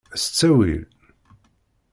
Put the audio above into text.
S ttawil.